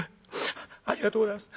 ありがとうございます。